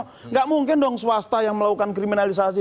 tidak mungkin dong swasta yang melakukan kriminalisasi